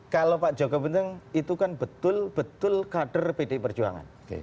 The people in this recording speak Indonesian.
kalau pak jokowi itu kan betul betul kader pdi perjuangan